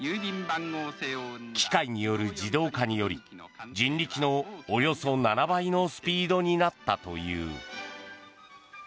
機械による自動化により人力のおよそ７倍のスピードになったという。